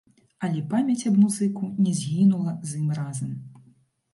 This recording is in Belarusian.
Але памяць аб музыку не згінула з ім разам.